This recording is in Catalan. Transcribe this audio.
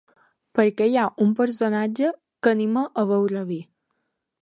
Per què hi ha un personatge que anima a beure vi?